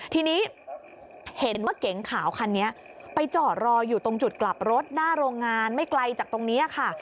ทีนี้เห็นว่าเก๋งขาวคันนี้ไปจอดรออยู่ตรงจุดกลับรถหน้าโรงงานไม่ไกลจากตรงนี้ค่ะ